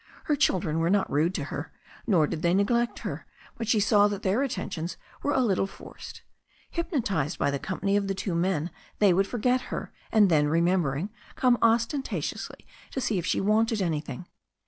Her children were not rude to her, nor did they neglect her, but she saw that their attentions were a little forced. Hypnotized by the company of the two men they would forget her, and then, remembering, come ostentatiously to see if she wanted anything.